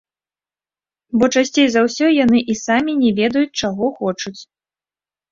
Бо часцей за ўсё яны і самі не ведаюць, чаго хочуць.